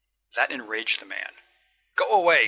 That enraged the man. "Go away!